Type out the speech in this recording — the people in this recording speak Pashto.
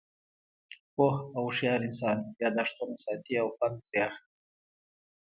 پوه او هوشیار انسان، یاداښتونه ساتي او پند ترې اخلي.